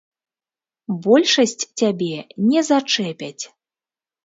Большасць цябе не зачэпяць.